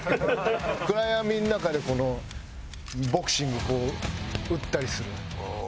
暗闇の中でボクシングこう打ったりする。